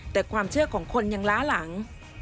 แต่ความเชื่อของคนยังล้าหลัง